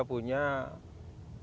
menurut saya kita harus